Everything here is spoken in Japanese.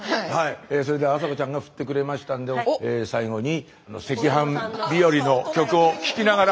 それではあさこちゃんが振ってくれましたんで最後に「赤飯日和」の曲を聴きながら。